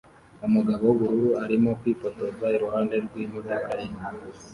Umugabo wubururu arimo kwifotoza iruhande rwimodoka ye